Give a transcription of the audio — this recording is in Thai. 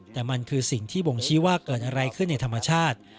แต่มันคือสิ่งที่บ่งชี้ว่าเกิดอะไรขึ้นในธรรมชาติ